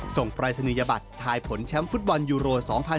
ปรายศนียบัตรทายผลแชมป์ฟุตบอลยูโร๒๐๑๖